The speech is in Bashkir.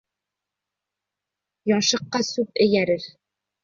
Яшыҡҡа сүп эйәрер.